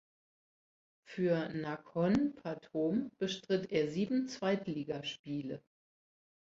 Für Nakhon Pathom bestritt er sieben Zweitligaspiele.